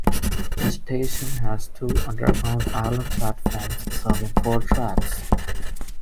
The station has two underground island platforms serving four tracks.